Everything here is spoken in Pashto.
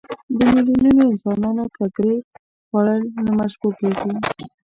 د میلیونونو انسانانو ککرې خوړل نه مشبوع کېږي.